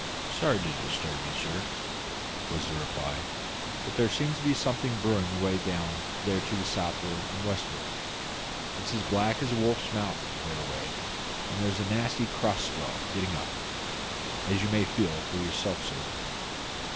"Sorry to disturb you, sir," was the reply, "but there seems to be something brewing away down there to the south'ard and west'ard. It's as black as a wolf's mouth thereaway; and there is a nasty cross swell getting up, as you may feel for yourself, sir."